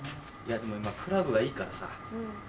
でも今クラブがいいからさ。